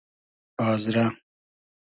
آزرۂ